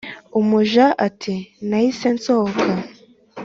umuja ati"nahise nsohoka